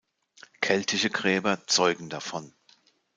Keltische Gräber zeugen davon.